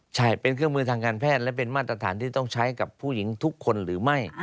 ใช่เป็นเครื่องมือทางการแพทย์และเป็นมาตรฐานที่ต้องใช้กับผู้หญิงทุกคนหรือไม่